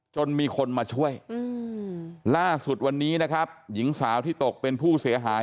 จนมีคนมาช่วยล่าสุดวันนี้นะครับหญิงสาวที่ตกเป็นผู้เสียหาย